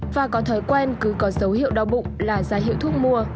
và có thói quen cứ có dấu hiệu đau bụng là ra hiệu thuốc mua